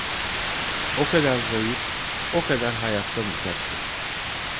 O kadar zayıf, o kadar hayattan uzaktı.